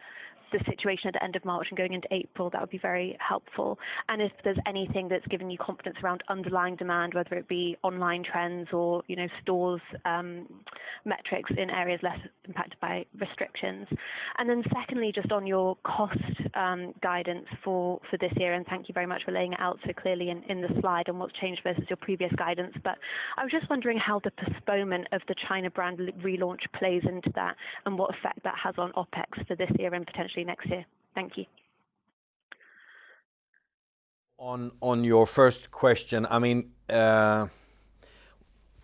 the situation at the end of March and going into April, that would be very helpful. If there's anything that's given you confidence around underlying demand, whether it be online trends or, you know, stores' metrics in areas less impacted by restrictions. Secondly, just on your cost guidance for this year, and thank you very much for laying it out so clearly in the slide and what's changed versus your previous guidance. I was just wondering how the postponement of the China brand relaunch plays into that, and what effect that has on OpEx for this year and potentially next year. Thank you. On your first question, I mean,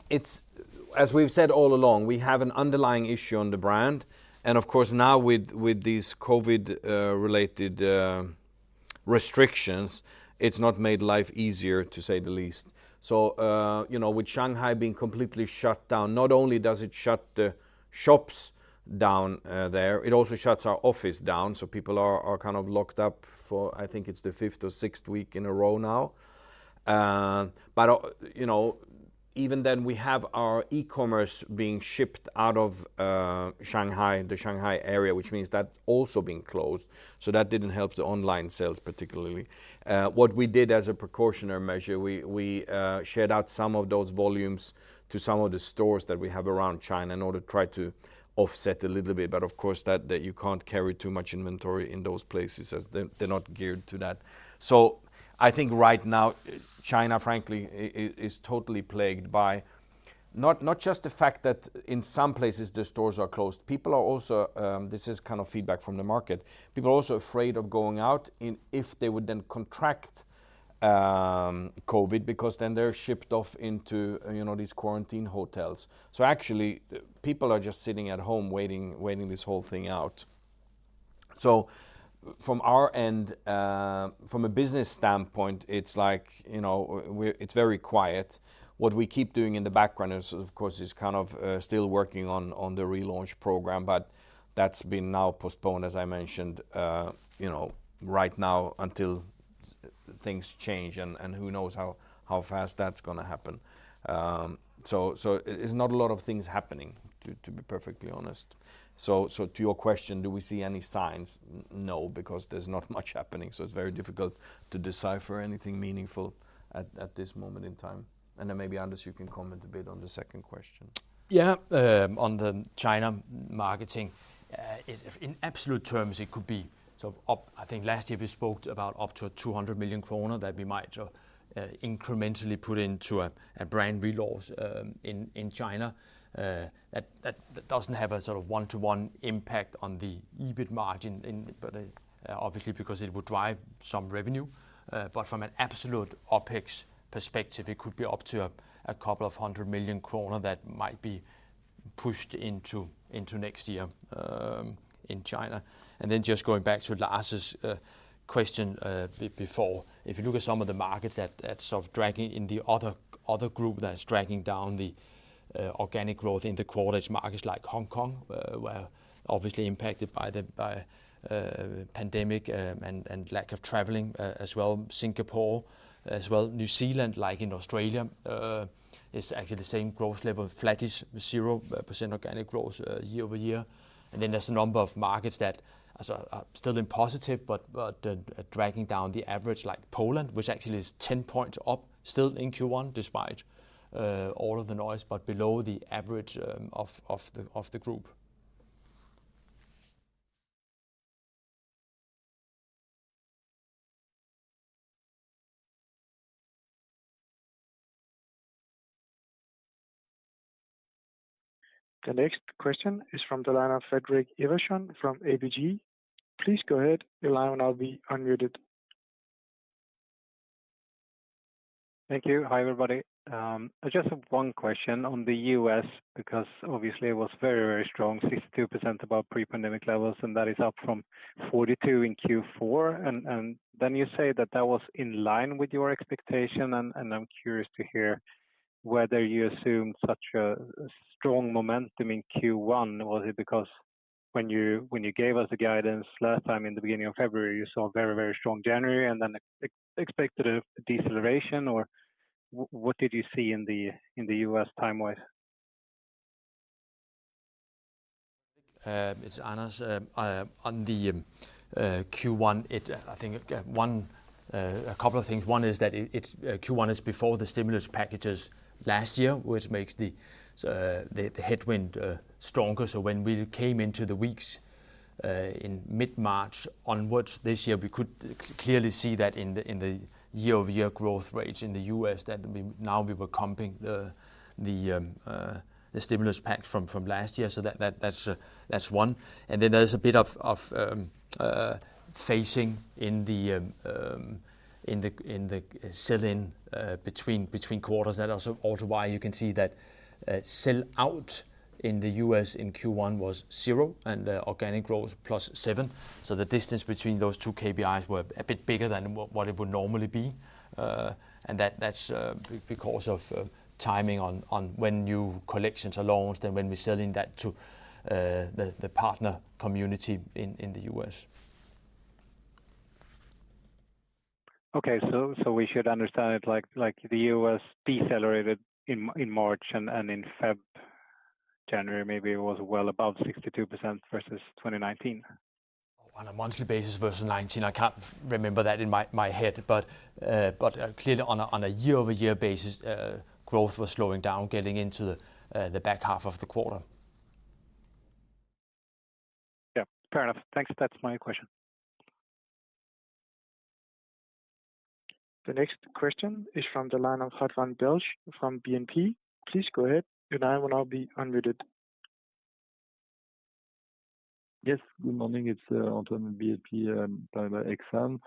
it's as we've said all along, we have an underlying issue on the brand. Of course, now with these COVID-related restrictions, it's not made life easier, to say the least. You know, with Shanghai being completely shut down, not only does it shut the shops down there, it also shuts our office down, so people are kind of locked up for I think it's the fifth or sixth week in a row now. Even then we have our e-commerce being shipped out of Shanghai and the Shanghai area, which means that's also been closed. That didn't help the online sales particularly. What we did as a precautionary measure, we shared out some of those volumes to some of the stores that we have around China in order to try to offset a little bit. Of course that you can't carry too much inventory in those places as they're not geared to that. I think right now, China, frankly, is totally plagued by not just the fact that in some places the stores are closed, people are also, this is kind of feedback from the market. People are also afraid of going out and if they would then contract COVID, because then they're shipped off into, you know, these quarantine hotels. Actually, people are just sitting at home waiting this whole thing out. From our end, from a business standpoint, it's like, you know, it's very quiet. What we keep doing in the background is, of course, kind of still working on the relaunch program, but that's been now postponed, as I mentioned, you know, right now until things change and who knows how fast that's gonna happen. It's not a lot of things happening, to be perfectly honest. To your question, do we see any signs? No, because there's not much happening, so it's very difficult to decipher anything meaningful at this moment in time. Then maybe, Anders, you can comment a bit on the second question. Yeah. On the China marketing, in absolute terms, it could be sort of up. I think last year we spoke about up to 200 million kroner that we might incrementally put into a brand relaunch in China. That doesn't have a sort of one-to-one impact on the EBIT margin, but obviously because it would drive some revenue. But from an absolute OpEx perspective, it could be up to a couple of 100 million kroner that might be pushed into next year in China. Then just going back to Lars' question before. If you look at some of the markets that are sort of dragging in the other group that is dragging down the organic growth in the quarters, markets like Hong Kong were obviously impacted by the pandemic and lack of traveling as well. Singapore as well. New Zealand, like in Australia, is actually the same growth level, flattish with 0% organic growth year-over-year. Then there's a number of markets that are still in positive but dragging down the average like Poland, which actually is 10 points up still in Q1 despite all of the noise, but below the average of the group. The next question is from the line of Fredrik Ivarsson from ABG. Please go ahead, your line will now be unmuted. Thank you. Hi, everybody. I just have one question on the U.S., because obviously it was very, very strong, 62% above pre-pandemic levels, and that is up from 42% in Q4. You say that that was in line with your expectation, and I'm curious to hear whether you assume such a strong momentum in Q1. Was it because when you gave us the guidance last time in the beginning of February, you saw a very, very strong January and then expected a deceleration, or what did you see in the U.S. time-wise? It's Anders. On the Q1, I think one, a couple of things. One is that Q1 is before the stimulus packages last year, which makes the headwind stronger. When we came into the weeks in mid-March onwards this year, we could clearly see that in the year-over-year growth rates in the U.S. that we now were comping the stimulus package from last year. That's one. Then there's a bit of phasing in the sell-in between quarters. That is also why you can see that sell-out in the U.S. in Q1 was 0%, and organic growth +7%. The distance between those two KPIs were a bit bigger than what it would normally be. That's because of timing on when new collections are launched and when we're selling that to the partner community in the U.S. Okay. We should understand it like the U.S. decelerated in March and in February, January maybe was well above 62% versus 2019. On a monthly basis versus 2019, I can't remember that in my head. Clearly on a year-over-year basis, growth was slowing down, getting into the back half of the quarter. Yeah. Fair enough. Thanks. That's my question. The next question is from the line of Antoine Belge from BNP. Please go ahead, your line will now be unmuted. Yes. Good morning. It's Antoine from BNP Paribas Exane.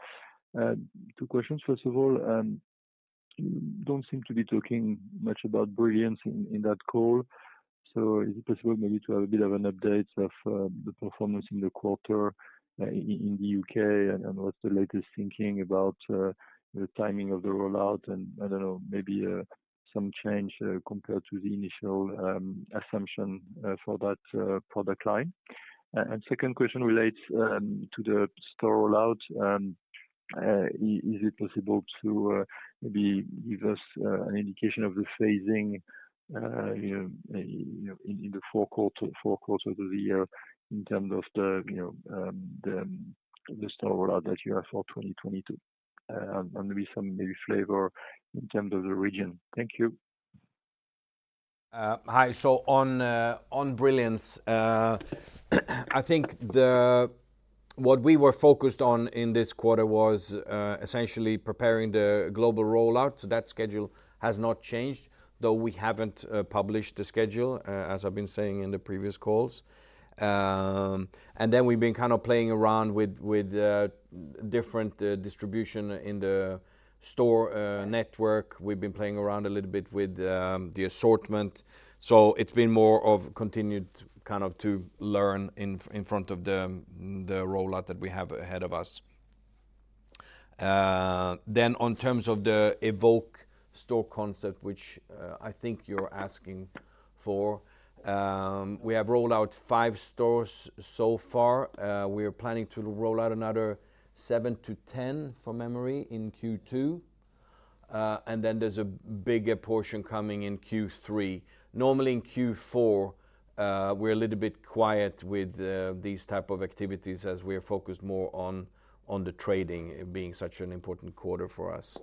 Two questions. First of all, you don't seem to be talking much about Brilliance in that call. So is it possible maybe to have a bit of an update of the performance in the quarter in the U.K., and what's the latest thinking about the timing of the rollout and, I don't know, maybe some change compared to the initial assumption for that product line? Second question relates to the store rollout. Is it possible to maybe give us an indication of the phasing, you know, you know, in the four quarters of the year in terms of the, you know, the store rollout that you have for 2022? Maybe some flavor in terms of the region. Thank you. On Brilliance, what we were focused on in this quarter was essentially preparing the global rollout. That schedule has not changed, though we haven't published the schedule, as I've been saying in the previous calls. We've been kind of playing around with different distribution in the store network. We've been playing around a little bit with the assortment. It's been more of continued kind of to learn in front of the rollout that we have ahead of us. In terms of the Evoke store concept, which I think you're asking for, we have rolled out five stores so far. We are planning to roll out another seven to 10, from memory, in Q2. There's a bigger portion coming in Q3. Normally in Q4, we're a little bit quiet with these type of activities as we are focused more on the trading being such an important quarter for us.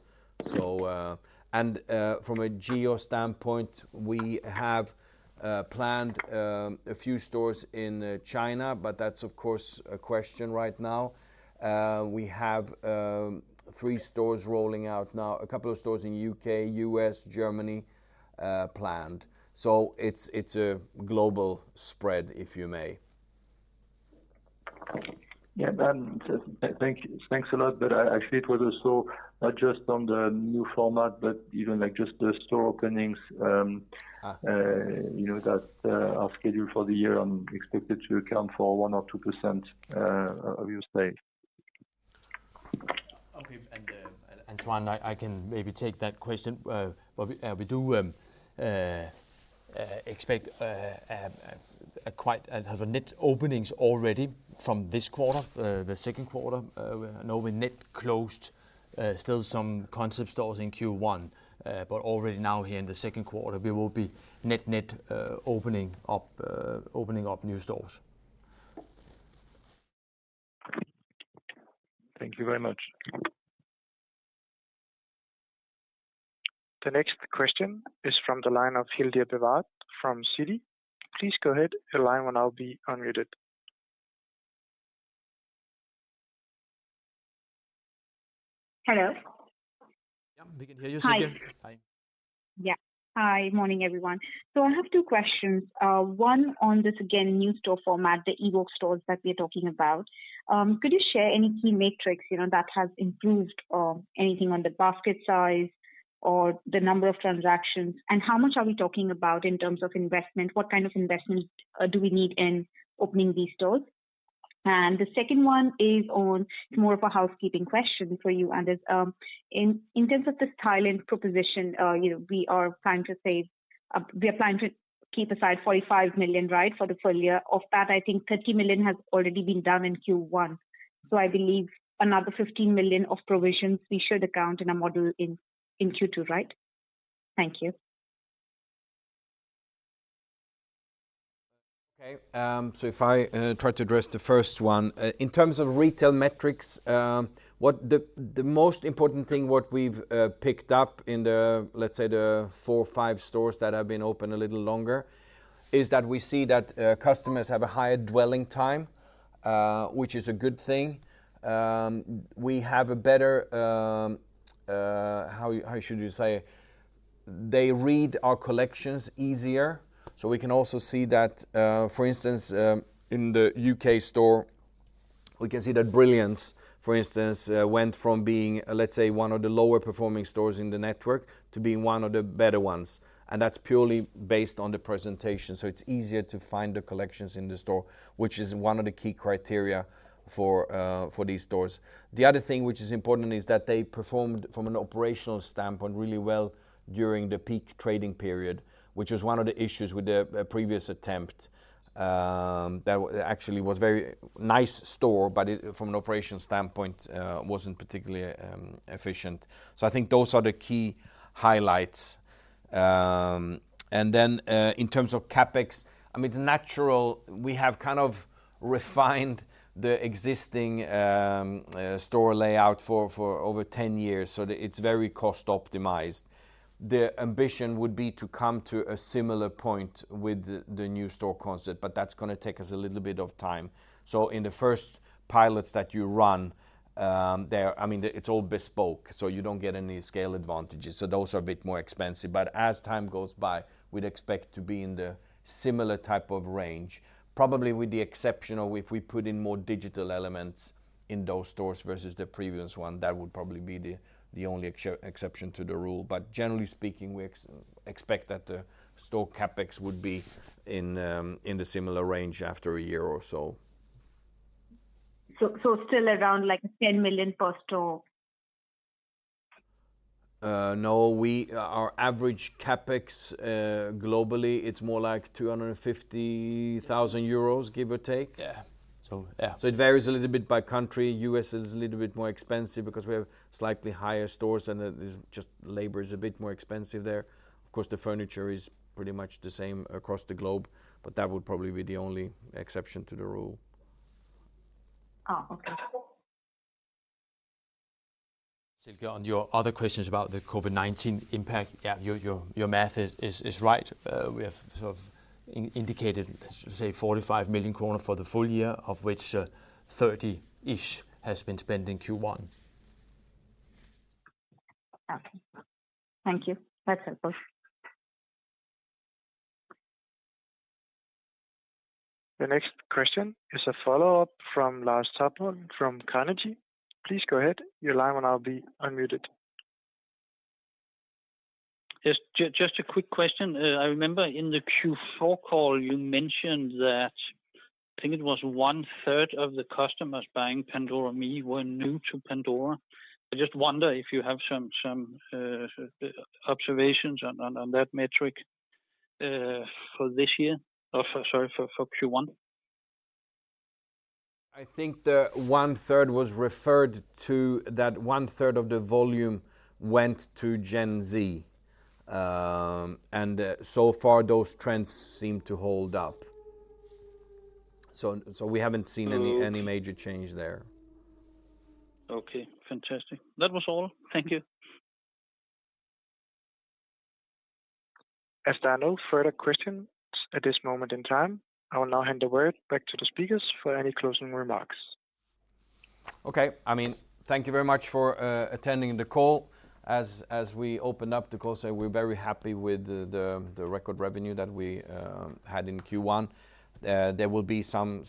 From a geo standpoint, we have planned a few stores in China, but that's of course a question right now. We have three stores rolling out now, a couple of stores in U.K., U.S., Germany, planned. It's a global spread, if you may. Yeah. Thank you. Thanks a lot. Actually it was also not just on the new format, but even like just the store openings. Uh. You know, that are scheduled for the year and expected to account for 1% or 2% of your sales. Okay. Antoine, I can maybe take that question. We do have net openings already from this quarter, the second quarter. I know we net closed still some concept stores in Q1. Already now here in the second quarter, we will be net opening up new stores. Thank you very much. The next question is from the line of Silke Bevatt from Citi. Please go ahead. Your line will now be unmuted. Hello? Yeah, we can hear you, Silke. Hi. Hi. Yeah. Hi. Morning, everyone. I have two questions. One on this, again, new store format, the Evoke stores that we're talking about. Could you share any key metrics, you know, that have improved, anything on the basket size or the number of transactions? How much are we talking about in terms of investment? What kind of investment do we need in opening these stores? The second one is on more of a housekeeping question for you, Anders. In terms of the Thailand provision, you know, we are planning to keep aside 45 million, right, for the full year. Of that, I think 30 million has already been done in Q1. I believe another 15 million of provisions we should account in our model in Q2, right? Thank you. If I try to address the first one. In terms of retail metrics, the most important thing we've picked up in the, let's say, the four or five stores that have been open a little longer, is that we see that customers have a higher dwell time, which is a good thing. We have a better, how should you say? They read our collections easier. We can also see that, for instance, in the U.K. store, we can see that Brilliance, for instance, went from being, let's say, one of the lower performing stores in the network to being one of the better ones. That's purely based on the presentation. It's easier to find the collections in the store, which is one of the key criteria for these stores. The other thing which is important is that they performed from an operational standpoint really well during the peak trading period, which was one of the issues with the previous attempt. That actually was very nice store, but it from an operations standpoint wasn't particularly efficient. I think those are the key highlights. In terms of CapEx, I mean, it's natural. We have kind of refined the existing store layout for over 10 years, so it's very cost optimized. The ambition would be to come to a similar point with the new store concept, but that's gonna take us a little bit of time. In the first pilots that you run, they're... I mean, it's all bespoke, so you don't get any scale advantages, so those are a bit more expensive. As time goes by, we'd expect to be in the similar type of range, probably with the exception of if we put in more digital elements in those stores versus the previous one, that would probably be the only exception to the rule. Generally speaking, we expect that the store CapEx would be in the similar range after a year or so. Still around like 10 million per store? No. We, our average CapEx globally, it's more like 250,000 euros, give or take. Yeah. Yeah. It varies a little bit by country. U.S. is a little bit more expensive because we have slightly higher costs and just labor is a bit more expensive there. Of course, the furniture is pretty much the same across the globe, but that would probably be the only exception to the rule. Oh, okay. Silke, on your other questions about the COVID-19 impact, yeah, your math is right. We have sort of indicated, let's just say, 45 million kroner for the full year, of which 30 million-ish has been spent in Q1. Okay. Thank you. That's it. Both. The next question is a follow-up from Lars Topholm from Carnegie. Please go ahead. Your line will now be unmuted. Yes. Just a quick question. I remember in the Q4 call you mentioned that, I think it was 1/3 of the customers buying Pandora ME were new to Pandora. I just wonder if you have some observations on that metric for this year or, sorry, for Q1. I think the 1/3 was referred to that 1/3 of the volume went to Gen Z. So far those trends seem to hold up. We haven't seen any major change there. Okay. Fantastic. That was all. Thank you. As there are no further questions at this moment in time, I will now hand the word back to the speakers for any closing remarks. Okay. I mean, thank you very much for attending the call. As we open up the call, we're very happy with the record revenue that we had in Q1. There will be some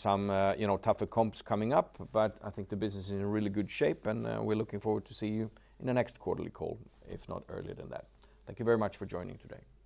you know, tougher comps coming up, but I think the business is in really good shape, and we're looking forward to see you in the next quarterly call, if not earlier than that. Thank you very much for joining today.